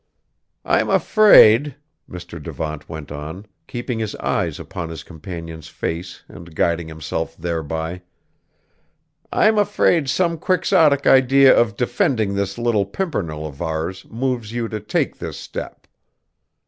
"I'm afraid," Mr. Devant went on, keeping his eyes upon his companion's face and guiding himself thereby, "I'm afraid some Quixotic idea of defending this little pimpernel of ours moves you to take this step.